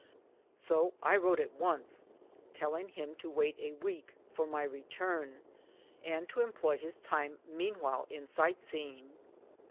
So I wrote at once telling him to wait a week for my return, and to employ, his time mean while in sight seeing.